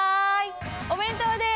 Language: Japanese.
お弁当です。